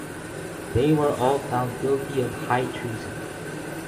They were all found guilty of high treason.